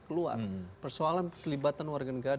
keluar persoalan pelibatan warga negara